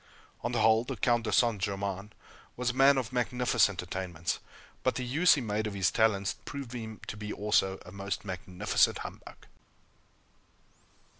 On the whole, the Count de St. Germain was a man of magnificent attainments, but the use he made of his talents proved him to be also a most magnificent humbug.